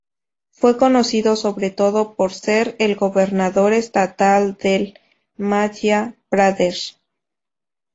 Fue conocido sobre todo por ser el gobernador estatal del Madhya Pradesh.